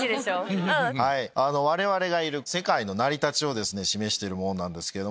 我々がいる世界の成り立ちを示しているものなんですけども。